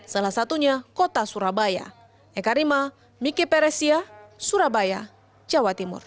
salah satunya kota surabaya